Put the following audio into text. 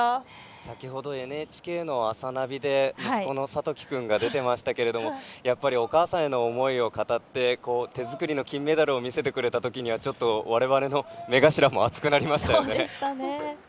先ほどＮＨＫの「あさナビ」で息子の諭樹君が出ていましたけれどもやっぱりお母さんへの思いを語って、手作りの金メダルを見せてくれたときはちょっと我々の目頭も熱くなりましたよね。